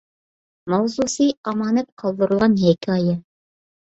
ماۋزۇسى ئامانەت قالدۇرۇلغان ھېكايە